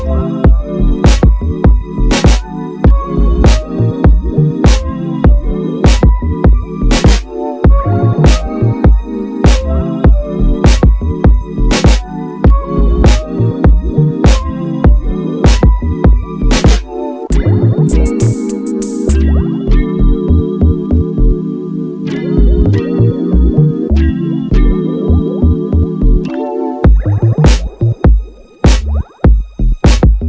awal namanya lari carved